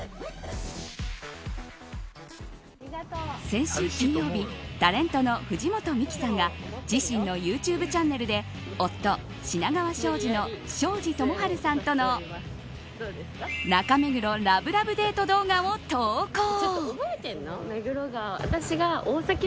先週金曜日タレントの藤本美貴さんが自身のＹｏｕＴｕｂｅチャンネルで夫・品川庄司の庄司智春さんとの中目黒ラブラブデート動画を投稿。